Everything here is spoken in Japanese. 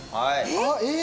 えっ！？